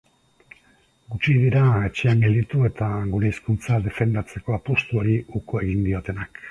Gutxi dira etxean gelditu eta gure hizkuntza defendatzeko apustuari uko egin diotenak.